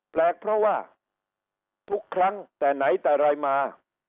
แปลกเพราะว่าทุกครั้งแต่ไหนแต่ไรมา